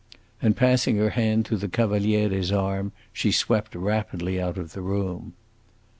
And passing her hand through the Cavaliere's arm, she swept rapidly out of the room.